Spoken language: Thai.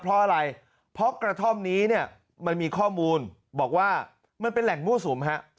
เพราะอะไรเพราะกระท่อมนี้เนี่ยมันมีข้อมูลบอกว่ามันเป็นแหล่งมั่วสุมฮะ